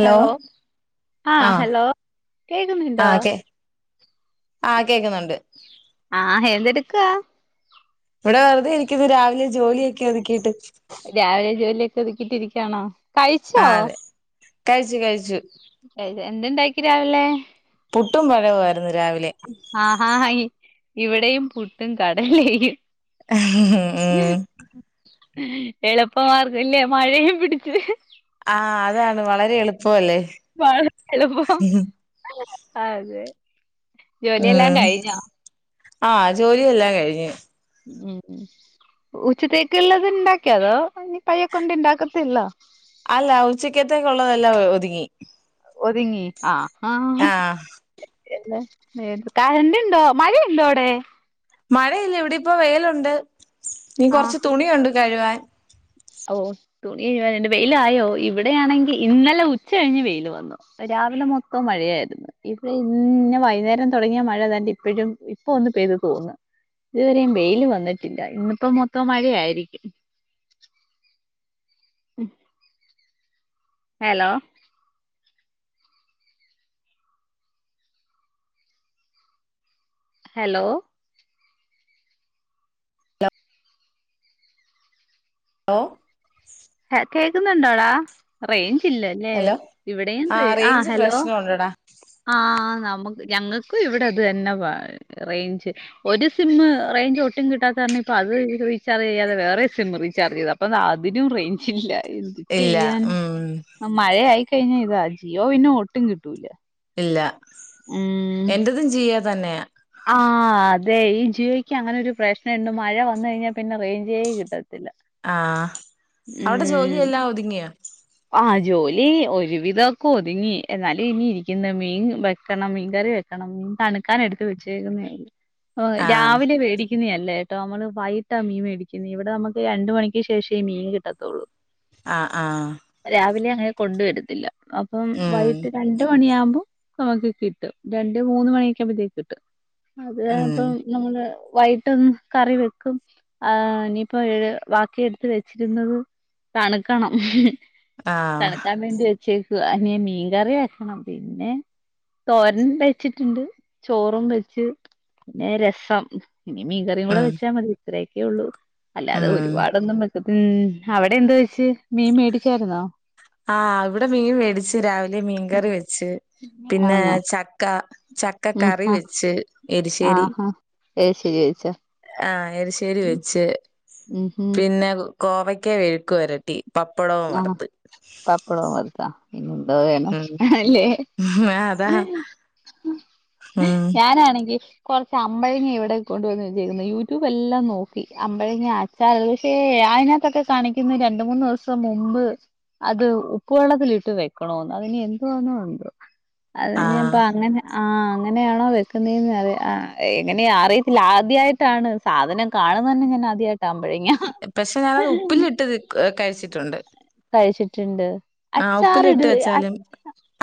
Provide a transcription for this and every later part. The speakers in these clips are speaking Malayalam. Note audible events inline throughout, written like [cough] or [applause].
ഹലോ ആ ആഹ് ഹലോ കേക്കുന്നുണ്ടോ? ആഹ് കേ ആഹ് കേക്കുന്നുണ്ട് ആ എന്തെടു ക്ക ഇവടെ വെർതെ ഇരിക്കുന്നു രാവിലെ ജോലിയൊക്കെ ഒതുക്കിയിട്ട് രാവിലെ ജോലിയൊക്കെ ഒതുക്കിട്ടിരിക്കാണോ? കഴിച്ചോ? ആഹ് അതെ കഴിച്ചു കഴിച്ചു എ എന്ത് ണ്ടാക്കി രാവിലെ? പുട്ടും പഴവുംവായിരു ആ ഇവിടെം പുട്ടും കടലേം ഉം എളുപ്പമാർഗം അല്ലേ മഴയും പിടിച്ചു ആ അതാണ് വളരെ എളു പ്പോലെ [unintelligible] ചെലപ്പോ അതെ ജോലിയെല്ലാം കഴിഞ്ഞോ ആ ജോലിയെല്ലാം കഴിഞ്ഞു ഉം ഉം ഉച്ചത്തേക്ക് ഉള്ളത് ഇണ്ടാക്കിയ അതോ ഇനി പയ്യ കൊണ്ട് ഇണ്ടാക്കത്തോള്ളോ അല്ല ഉച്ചക്കത്തേക്കുള്ളതെല്ലാം ഒതുങ്ങി ഒതുങ്ങി ആഹ് ആഹ് എല്ലാം കറന്റുണ്ടോ മഴയുണ്ടോ അവിടെ മഴയില്ല ഇവിടെ ഇപ്പോ വെയിലുണ്ട് ഇനി കൊറച്ച് ആഹ് തുണിയുണ്ട് കഴുവാൻ ഓ തുണി കഴുവനുണ്ട് വെയിൽ ആയോ ഇവിടെയാണെങ്കി ഇന്നലെ ഉച്ച കഴിഞ്ഞ് വെയില് വന്നു രാവിലെ മൊത്തം മഴയായിരുന്നു ഇപ്പോ ഇന്ന വൈകുന്നേരം തുടങ്ങിയ മഴ ദാണ്ടെ ഇപ്പാഴും ഇപ്പ ഒന്ന് പെയ്തു തോർന്നു ഇതുവരെയും വെയില് വന്നിട്ടില്ല ഇന്നിപ്പോ മൊത്തം മഴയായിരിക്കും ഉം ഹലോ ഹലോ ഓഹ് ആ കേ ന്നുണ്ടോടാ റേഞ്ച് ഇല്ലല്ലേ ഹലോ ഇവിടെം റേ ആഹ് റേഞ്ച് എവിടേം പ്രശ്നം ഉണ്ടടാ ഞങ്ങൾക്കും ഇവിടെ അത് പാ തന്നെ റേഞ്ച് ഒരു സിം റേഞ്ച് ഒട്ടും കിട്ടാത്ത ഇപ്പ അത് റീചാർജ് ചെയ്യാതെ വേറെ സിം റീചാർജ് ചെയ്ത് അപ്പൊ ദാ അതിനും റേഞ്ചില്ല എന്ത് ഇല്ല ചെയ്യാൻ ഉം ആ മഴ ആയി കഴിഞ്ഞാ ഇതാ ജിയോ പിന്നെ ഒട്ടും കിട്ടൂല ഇല്ല ഉം എന്റതും ജിയോ തന്നെയെ ആഹ് അതെ ഈ ജിയോയ്ക്ക് അങ്ങനെ ഒരു പ്രശ്നമുണ്ട് മഴ വന്ന കഴിഞ്ഞാൽ പിന്നെ റേഞ്ച ചെയ്യ കിട്ടും ആഹ അവവിടെ ഉം ജോലിെല്ലാം ഒതുങ്ങിയാ ആ ജോലി ഒരുവിധൊക്കെ ഒതുങ്ങി എന്നാലും ഇനി ഇരിക്കുന്ന മീൻ വെക്കണം മീൻ കറി വെക്കണം മീൻ തണുക്കാൻ എടുത്ത് വെച്ചേക്കുന്ന ആഹ് രാവിലെ വേടി ക്കുന്നല്ലട്ടോ നമ്മള് വൈകട്ടാ മീൻ മേടിക്കുന്നുന്നു ഇവിടെ നമുക്ക് രണ്ട മണിക്ക് ശേഷേഈ മീൻ കിട്ടത്തുള്ളൂ ആഹ ആഹ രാവിലെ അങ്ങനെ കൊണ്ടുവരത്തില്ല അപ്പം ഉം വൈകിട്ട് രണ്ട മണിയാാവുമ്പോ നമുക്ക് കിട്ടും രണ്ട് മൂന്ന് മണിയൊക്കെകുമ്പോഴത്തേക്ക് കിട്ടും അത ഉം അപ്പം നമ്മള് വൈകിട്ടൊന്ന് കറി വെക്കും ആ ഇനിയിപ്പോ ബാക്കിയ എടുത്ത് വെച്ചിരുന്നത് തണുക്കണം ആഹ് തനക്കാൻ വേണ്ടി വെച്ചു അന മീൻകറി വെക്കണം പിന്നെ തോരൻ വെച്ചിട്ടുണ്ട് ചോറും വെച്ച് പിന്നെ രസം ഇനി മീ കറിയും കൂടെ ഉം വെച്ചാൽ മതി ത്രയൊക്കെ ഉള്ളൂ അല്ലാതെ ഉം ഒരുപാടൊന്നും മ് അവിടെ എന്താ വെച്ച് മീൻ മേടി ച്ചായിരുന്നോ ആ ഇവിടെ മീൻ മേടിച്ച് രാവിലെ മീൻകറി വെച്ച് പിന്നെ ആന്നോ ചക്ക ചക്കക്കറി വെച്ച് എരിശ്ശേരി ആഹാ ഏരിശേരി വച്ചോ [unintelligible] നേരിശ്ശേരി വെച്ച് ഉം ഹം പിന്നെ കോവയ്ക്ക വഴുക്കു വരട്ടി പപ്പടവും വറ്ത്ത് പപ്പളോ അല്ല പിനും ആഹ് വേണം ഉം ഹല്ലേ മ് ങ്കി കുറച്ച് അമ്പഴങ്ങ ഇവിടെ കൊണ്ടുവന്നുവെച്ചേക്കുന്നേ യൂട്യൂബ് എല്ലാം നോക്കി അമ്പഴങ്ങ അച്ചാർ പക്ഷേ അതിനകത്തൊക്കെ കാണിക്കുന്ന രണ്ട് മൂന്ന് ദി സം മുമ്പ് അത് ഉപ്പുവെള്ളത്തലിട്ട് വെക്കണോന്ന് അതിന് എന്താന്നോ എന്തോ അത് ഞാൻ പ്പ ആഹ് അങ്ങനെ ആ അങ്ങനെയാണോ വെക്കുന്നത് എന്ന് അറ എങ്ങനെയാ അറിയത്തില്ല ആദ്യായിട്ടാണ് സാധനം കാണുന്നത്തന്നെ ഞാൻ ആദ്യയി പക്ഷെ ഞാനത് ഉപ്പിലിട്ട് കഴിച്ചിട്ടുണ്ട് യിച്ചിട്ടുണ്ട് ആ ഉപ്പിലിട്ട് വെച്ചാലും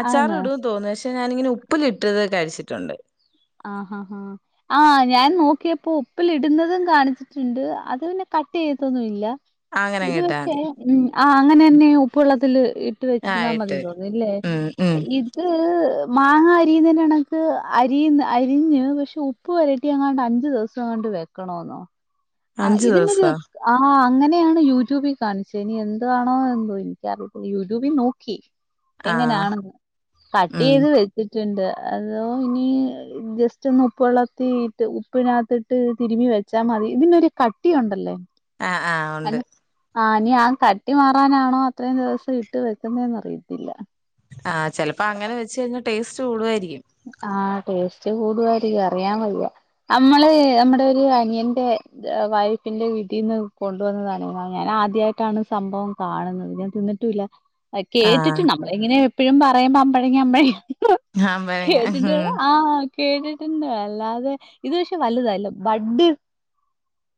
അച്ചാറ് ആന്ന് ഇടും തോന്നു ഞാനിങ്ങനെ ഉപ്പിലിട്ടത് കഴിച്ചിട്ടുണ്ട് ആ ആഹാ ആ ഞാൻ നോക്കിയപ്പോ ഉപ്പിലിടുന്നതും കാണിച്ചിട്ടുണ്ട് അത് പിന്നെ കട്ട് ചെയ്തിട്ടോന്നുംമില്ല ഇത് അങ്ങനങ്ങ് ഇട്ടാ പക്ഷേ മതി ഉം ആ അങ്ങനെ തന്നെ ഉപ്പ് വെള്ളത്തില് ഇട്ട് ആഹ് വെച്ചിരുന്നാ ഇട്ട് മതി വെക്കും. തോന്നുന്നല്ലേ ഉം ഉം ഇത് മാങ്ങ അരിയുന്നണക്ക് അരിയുന്ന അരിഞ്ഞ് പക്ഷേ ഉപ്പ് വരട്ടി അങ്ങാട്ട് അഞ്ചു ദിവസം അങ്ങോട്ട് വെക്കണെന്നോ ആ അഞ്ചു ഇതിനൊരു ദിവസോ ആഹ് അങ്ങനെയാണ് യൂട്യൂബിൽ കാണിച്ചത് ഇനി എന്താണോ എന്തോ എനിക്കറിയത്തില്ല യൂട്യൂബിൽ നോക്കി ആഹ് എങ്ങനെയാണെന്ന് കട്ട് ഉം ചെയ്ത് വെച്ച് ട്ട്ണ്ട് അതോ ഇനി ജസ്റ്റ് ഒന്ന് ഉപ്പ് വെള്ളത്തിട്ട് ഉപ്പിനകത്തിട്ട് തിരുമ്മി വെച്ചാൽ മതി ഇതിനൊരു കട്ടിയുണ്ടല്ലേ ആഹ് ആഹ് ഉണ്ട് [unintelligible] ആ ഇനി ആ കട്ടി മാറാനാണോ അത്രയും ദിവസം ഇട്ട് വെക്കുന്നെന്ന് അറിയത്തില്ല ആഹ് ചെലപ്പോ അങ്ങനെ വെച്ച് കഴിഞ്ഞാ ടേസ്റ്റ് കൂടുവായിരിക്കും ആഹാ ടേസ്റ്റ് ച്ച് കൂടുകായി അറിയാൻ വയ്യ അമ്മള് നമ്മടെ ഒരു അനിയന്റെ വൈഫിന്റെ വീട്ടീന്ന് കൊണ്ട് വന്നതാണെ ഞാൻ ആദ്യായിട്ടാണ് സംഭവം കാണുന്നത് ഞാൻ തിന്നിട്ടൂല്ല ആഹ് കേട്ടിട്ട് നമ്മള് ഇങ്ങനെ എപ്പോഴും പറയുമ്പോ അമ്പഴങ്ങ അമ്പഴ ആമ്പഴങ്ങ കേട്ടിട്ട് ഉം ആഹ് കേട്ടിട്ടുണ്ട് അല്ലാതെ ഇത് പക്ഷേ വലുതല്ലേ ബഡ്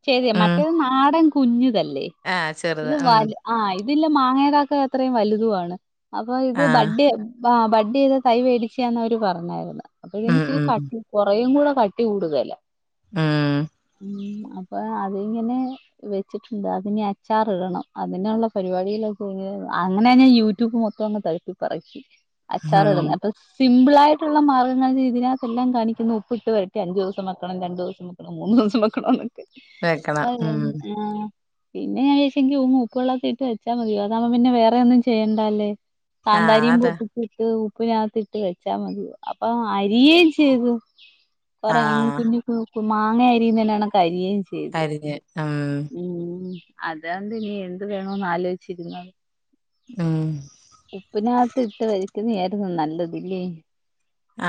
ശെരിയാ ഉം മറ്റേത് നാടൻ കുഞ്ഞുത ല്ലേ ആഹ് ചെറുത് ഇത് ഉം വല് ആ ഇതില്ല മാങ്ങേടാക്കത്ര വലുതു ആണ് അപ്പൊ ഇത് ആഹ് ബഡേ ആ ബഡ് ചെയ്ത് തൈ വേടിച്ചണവരും പറഞ്ഞായിരുന്നു അപ്പൊ ഇതിന് ഉം ഇച്ചിരി ഉം കട്ടി കൊറേയും കൂടെ കട്ടി കൂടുതല ആ ഉ അപ്പൊ അതിങ്ങനെ വെച്ചിട്ടുണ്ട് അതിനി അച്ചാർ ഇടണം അതിനുള്ള പരിപാടിയിലൊക്കെ [unintelligible] അങ്ങനെതന്നെ യൂട്യൂബ് മൊത്തം [unintelligible] അച്ചാറ് ഉം [unintelligible] സിമ്പിളായി ള്ള മാർഗ്ഗങ്ങൾ ഇതിനകത്ത് എല്ലാം കാണിക്കുന്നത് ഉപ്പിട്ട് പെരട്ടി അഞ്ചുസം വെക്കണം രണ്ടുസം വെക്കണം മൂന്നൂസം വെക്കണന്ന് വെക്കണം അതെ ഉം ആ പിന്നെ ഞാൻ വിചാരിച്ചെങ്കി ഒന്ന് ഉപ്പു വെള്ളത്തി ഇട്ട് വെച്ചാമതി അതാവുമ്പോ പിന്നെ വേറെ ഒന്നും ചെയ്യണ്ടാലെ ആഹ് കാന്താരിയും അതാ പൊട്ടിച്ചിട്ട് ഉപ്പിനകത്തിട്ട് വെച്ചാ മതിയോ അപ്പോ അരിയേം ചെയ്തു. കുറേ ആഹ് [unintelligible] ഇപ്പം മാങ്ങ അരിയുന്നേണക്കരിയേം അരിഞ്ഞ് ആഹ് അതോണ്ട് ഇനി എന്ത് വേണോന്ന് ആലോചിച്ചിരുന്നത്. ഉം ഉപ്പിനകത്ത് ഇട്ട് വയ് ക്കുന്നയാരുന്നു നല്ലതില്ലേ?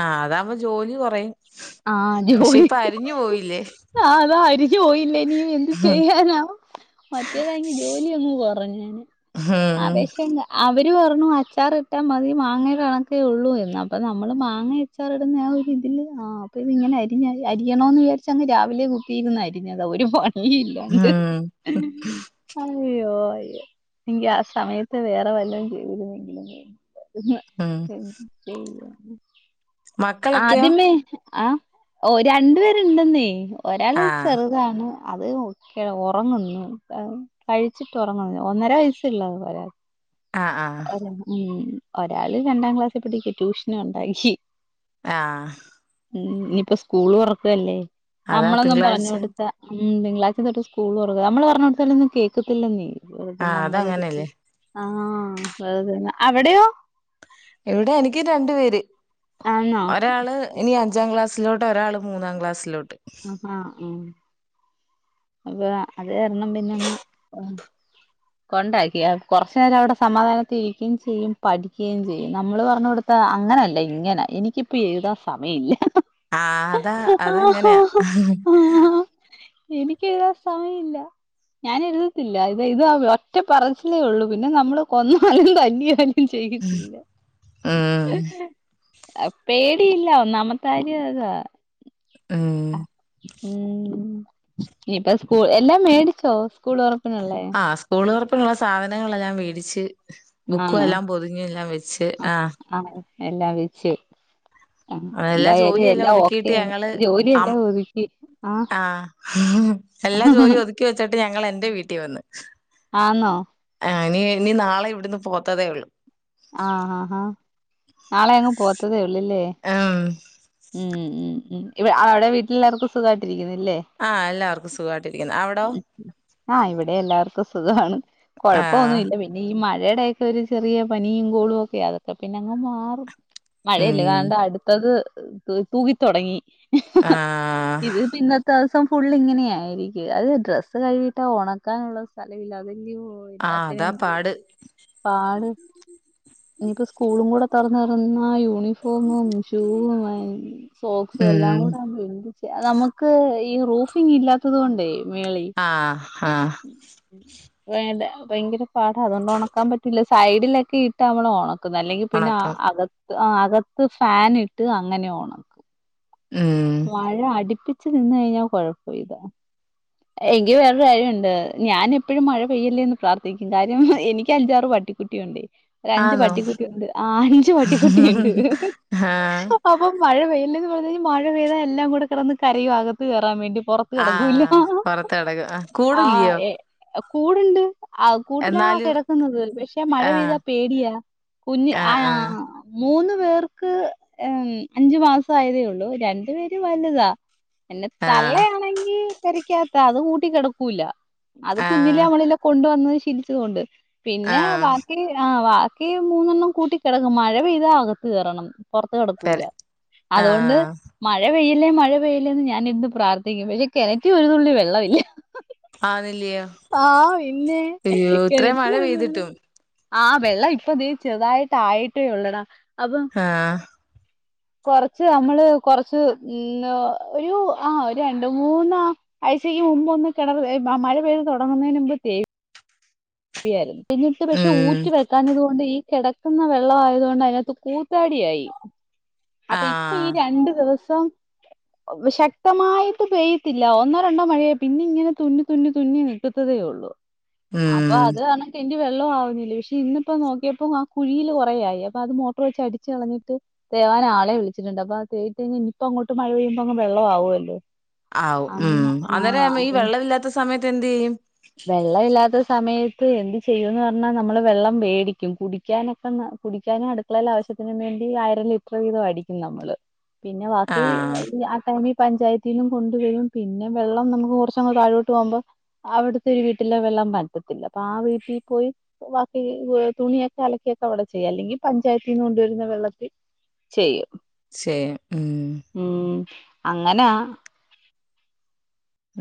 ആ അതാവുമ്പോ ജോലി കൊറയും. ആ പക്ഷെ ജോലി ഇപ്പൊ അരിഞ്ഞു പോയില്ലേ ആ അതാ അരിഞ്ഞു പോയില്ലേ ഇനി ഇത് എന്ത് ചെയ്യാനാ മറ്റേതാങ്കി ജോലി അങ്ങ് കൊറഞ്ഞെനെ ആ ഉം [unintelligible] [unintelligible] പറഞ്ഞു അച്ചാറിട്ടാൽ മതി മാങ്ങേടെ കണക്കേ ഉള്ളൂ എന്ന് അപ്പം നമ്മള് മാങ്ങ അച്ചാർ ഇടുന്ന ആ ഒരുരിതില് ആ അപ്പോ ഇതിങ്ങനെ അരിഞ്ഞ അരിയാണോന്നു വിചാരിച്ചങ്ങ് രാവിലെ കുത്തിയിരുന്നരിഞ്ഞതാ ഒരുപാ ഉം ഇല്ലോണ്ട് അയ്യോ എങ്കി ആ സമയത്ത് വേറെ വല്ലോം ചെയ്തിരുന്നെങ്കിലെ ഉം ഉം [inaudible] മക്കളൊക്കെയോ ആദ്യമേ ആ ഓ രണ്ടു പേരുണ്ടെന്നേ ഒരാള് ആഹ് ചെറുതാണ്. അത് കെ ഒറങ്ങുന്നു കഴിച്ചിട്ട് ഉറങ്ങുന്നു ഒന്നര വയസ്സെള്ളു ഒരാ ആഹ് ആഹ് [unintelligible] മ്മ് ഒരാള് രണ്ടാം ക്ലാസ്സിൽ പഠിക്കാ. ട്യൂഷനൂണ്ട്. [unintelligible] ആഹ് മ്മ് ഇനിയിപ്പോ സ്കൂള് തൊറക്കല്ലേ അതാ നമ്മളങ്ങും പറഞ്ഞു തിങ്കളാഴ്ച കൊടുത്ത ഉം തിങ്കളാഴ്ച തൊട്ട് സ്കൂള് തുറക്ക. നമ്മള് പറഞ്ഞൊടുത്താലൊന്നും കേക്കത്തില്ലന്നേ. [unintelligible] ആഹ് നമ്മുടെ ട്ത്ത്. അതങ്ങനെയല്ലേ ആ [unintelligible] അവിടെയോ. ഇവിടെ എനിക്ക് രണ്ടു പേര്. ആന്നോ ഒരാള് ഇനി അഞ്ചാം ക്ലാസ് ലോട്ട് ഒരാൾ മൂന്നാം ക്ലാസിലു ആഹാ ഉം [unintelligible] ത് കാരണം പിന്നങ്ങ്. കൊണ്ടാക്കിയ. കൊറച്ച് നേരം അവിടെ സമാധാനത്തി ഇരിക്കിം ചെയ്യും. പഠിക്കേം ചെയ്യും. നമ്മള് പറഞ്ഞു കൊടുത്താ അങ്ങനല്ല ഇങ്ങനെ എനിക്കിപ്പ എഴുതാൻ സമയ ഇല്ല. ആ അതാ അതങ്ങനെയാ. ആഹ് എനിക്ക് എഴുതാ സമയം ഇല്ല. ഞാൻ എഴുതത്തില്ല, ഇത് അത് ഒറ്റ പറച്ചിലേ ഉള്ളൂ. പിന്നെ നമ്മള് കൊന്നാലും തല്ലിയാലും. ഉം [unintelligible] പേടിയില്ല, ഒന്നാമത്താര്യം അതാ ആഹ് ഉം ഇനിയിപ്പ സ്കൂൾ എല്ലാം മേടിച്ചോ സ്കൂള് തൊറ ആഹ് സ്കൂൾ തുറ ക്കാനൊള്ള സാധനങ്ങളെല്ലാം മേടിച്ച്. ബുക്കും ആണോ എല്ലാം പൊതിഞ്ഞ് എല്ലാം വെച്ച് ആഹ. എല്ലാ വെച്ച്. ആ എല്ലാ ജോലി എന്തായാലും എല്ലാം ഒതുക്കിട്ട് ഓക്കെ ഞങ്ങള് അം ജോലിയെല്ലാം ഒതുക്കി ആഹ് ആ എല്ലാ ജോലി ഒതുക്കി വെച്ചിട്ട് ഞങ്ങൾ എന്റെ വീട്ടിൽ വന്ന് ആന്നോ ആ. ഇനി നാളെ ഇവിടന്ന് പോത്തതേ ഉള്ളു. ആഹ് ആഹ് ആഹ നാളെ അങ്ങു പോത്തതെയുള്ളു. ല്ലില്ലേ ഉം ഉ ഉ ഉ അവിടെ വീട്ടില് എല്ലാവർക്കും സുഖമായിട്ടിരിക്കുന്നു. ആഹ് എല്ലാവർക്കും സുഖായിട്ടിരിക്കുന്നു. അവിടോ? ആ ഇവിടെ എല്ലാർക്കും. സുഖമാണ്. ആഹ് കുഴപ്പമൊന്നുമില്ല, പിന്നെ ഈ മഴ മഴടെ ഒക്കെ ഒരു ചെറിയ പനിയും കോളും ഒക്കെ അതൊക്കെ പിന്നെ അങ്ങ് മാറും. മഴയല്ലെ ഉം [unintelligible] അടുത്തത്. തു തൂകിതൊടങ്ങി. [unintelligible] ആഹ് ഇത് പിന്നത്ത. ദിവസം ഫുള്ള് ഇങ്ങനെയായിരിക്കും. അത് ഡ്രസ്സ് കഴിയിട്ടാ ഉണക്കാനുള്ള സ്ഥലമില്ലാതെ. ആഹ് അതാ പാട് [unintelligible] പാട്. ഇനിയിപ്പോ സ്കൂളും കൂടെ തൊറന്ന നന്നായൊ യൂണിഫോമും ഷൂവും വയ് സോക്സു ഉം എല്ലാം കൂടെ [inaudible] ചെ ആ നമക്ക് ഈ റൂഫിംഗ് ഇല്ലാത്തത് കൊണ്ടേയ് ആഹ് ആഹ് വേണ്ട ഭയങ്കര പാഠാ അതോണ്ട് ഒണക്കാൻ പറ്റൂല സൈഡിലൊ കിട്ട മ്മള് ഒണ ക്കുന്നെ അല്ലെങ്കി പിന്നാ ഒണക്കം അ [unintelligible] ആ അകത്ത് ഫാൻ ഇട്ട് അങ്ങനെ ഒണക്കും ഉം വഴ അട്പ്പി ച്ച നിന്നെയ്ഞ്ഞാ കൊഴപ്പ ഇതാ എൻക്ക് വേറൊരു ആര്യണ്ട് ഞാൻ എപ്പോഴും മഴ പെയ്യല്ലേന്ന് പ്രാർത്ഥിക്കും കാര്യം എനിക്കഞ്ചാറ് പട്ടിക്കുട്ടിയുണ്ടെ ഒരഞ്ച് ആന്നോ പട്ടിക്കുട്ടിയുണ്ട് ആ അഞ്ച് പട്ടിക്കുട്ടിയുണ്ട് ആഹ് അ അപ്പൊ മഴ പെയ്യല്ലേന്ന് [unintelligible] വീണ എല്ലാം കൂടെ കെടന്ന് കരയു അകത്ത് കയറാൻ വേണ്ടി പുറത്ത് ആ കിടക്കൂല്ല പൊറത്ത് കടക്കും ആ കൂട്ല്ല്യോ കൂട്ണ്ട് ആ കൂട്ടിലാ കെടക്ക്ന്നത് പക്ഷെ മഴ ആഹ് പെയ്താ പേടിയാ കുഞ്ഞ് ആഹ് ആയാ ആഹ് മൂന്ന് പേർക്ക് എം അഞ്ചു മാസ ആയതേ ഒള്ളൂ രൺ ണ്ടു പേര് വലുതാ പിന്നെ ആഹ് തലയാണെങ്കി [unintelligible] ക്കാത്ത അത് കൂട്ടി കെടക്കൂല്ല അത് കുഞ്ഞിലേ ആഹ് നമ്മളെല്ലാ കൊണ്ട് വന്ന് [unintelligible] ലിച്ചത് കൊണ്ട് പിന്നെ ആഹ് ബാക്കി ആ വാ ക്കേ മൂന്നെണ്ണം കൂട്ടി കെടക്കും മഴ പെയ്താ അകത്തു കയറണം പൊർത്ത് പെര കടക്കൂല അതുഒണ്ട് ആഹ് മഴ പെയ്യല്ലേ മഴ പെയ്യല്ലേന്ന് ഞാനിര്ന്ന് പ്രാർത്ഥിക്കും പക്ഷെ കെണറ്റി ഒരു തുള്ളി വെള്ളമില്ല ആന്നില്ലിയോ ആ പിന്നെ അയ്യോ ഇത്രേം മഴ കെണറ്റിലൊരു തുള്ളി പെയ്തിട്ടും ആ വെള്ള ഇപ്പൊ ദേ ചെർതായിട്ട് ആയിട്ടേ ഒള്ളട ഹാഹ് കൊറച്ച് അമ്മള് കൊറച്ച് ഉം ഏ ഒരു ആ ഒരു രണ്ട് മൂന്ന ആഴ്ചക്ക് മുമ്പ് ഒന്ന് കെണറ് എ മ മഴ പെയ്തു തൊടങ്ങുന്നെയ്നുമ്പെ തേയും [unintelligible] [unintelligible] ഞ്ഞിട്ട് പക്ഷെ ഉം ഊറ്റി വെക്കാഞ്ഞതോണ്ട് ഈ കെട ക്കുന്ന വെള്ള ആയതോണ്ട് അയ്നാത്ത് കൂത്താടിയായി അപ്പൊ ഇപ്പൊ ആഹ് ഈ രണ്ടു ദിവസം ശക്തമായിട്ട് പെയ്ത്തില്ല ഒന്നോ രണ്ടോ മഴയെ പിന്നെ ഇങ്ങനെ തുന്നി തുന്നി തുന്നി നിക്കത്തതെ ഉള്ളൂ ഉം അപ്പൊ അതാണക്ക് അതിന്റെ വെള്ള ആവുന്നില്ല പക്ഷെ ഇന്നിപ്പോ നോക്കിയപ്പോ ആ കുഴിയില് കുറ ആയി അപ്പൊ അത് മോട്ടർ വെച്ച് അടിച്ച കളഞ്ഞിട്ട് തേവാൻ ആളെ വിളിച്ചിട്ടുണ്ട് അപ്പൊ അത് തേവി കഴിഞ്ഞാ ഇപ്പം അങ്ങോട്ട് മഴ പെയുമ്പോ അങ് വെള്ളം ആവുവല്ലോ ആവും ഉം അന്നേരം ഈ വെള്ളവില്ലാത്ത സമയത്ത് എന്തെയും വെള്ളം ഇല്ലാത്ത സമയത്ത് എന്ത് ചെയ്യുന്ന് പറഞ്ഞാൽ നമ്മൾ വെള്ളം വേടിക്കും കുടിക്കാനൊക്കെ കുടിക്കാനും അടുക്കളേൽ ആവശ്യത്തിനും വേണ്ടി അര ലിറ്റർ വീതം അടിക്കും നമ്മൾ പിന്നെ ബാക്കി ആഹ് അയി ആ ടൈമിൽ പഞ്ചായത്തിനും കൊണ്ട് വരും പിന്നെ വെള്ളം നമുക്ക് കുറച്ചങ്ങ താഴോട്ട് പോകുമ്പോ അവിടു ഒരു വീട്ടിലെ വെള്ളം പറ്റത്തില്ല അപ്പൊ ആ വീട്ടിൽ പോയി വാക്കി തുണിയൊക്കെ അലക്കിയൊക്കെ അവിടെ ചെയ്യും അല്ലെങ്കിൽ പഞ്ചായത്തിന് നിന്ന് കൊണ്ടുവരുന്ന വെള്ളത്തിൽ ചെയ്യും ചെയ്യും ഉം ഉം അങ്ങനാ